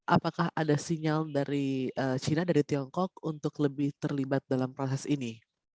apakah ada sinyal dari china dari tiongkok untuk lebih terlibat dalam proses ini